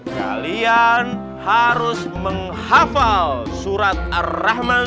kalian harus menghafal surat ar rahman